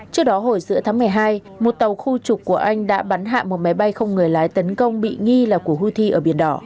trước đó hồi giữa tháng một mươi hai một tàu khu trục của anh đã bắn hạ một máy bay không người lái tấn công bị nghi là của houthi ở biển đỏ